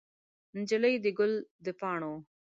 نجلۍ د ګل د پاڼو